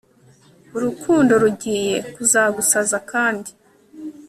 urukundo rugiye kuzagusaza kandi